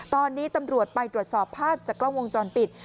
ตอนนี้ตำรวจไปตรวจสอบภาพจากกล้องวงจรปิด